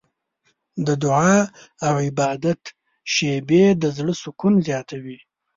د دعا او عبادت شېبې د زړه سکون زیاتوي.